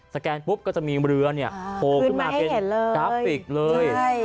แกนปุ๊บก็จะมีเรือเนี่ยโผล่ขึ้นมาเป็นกราฟิกเลย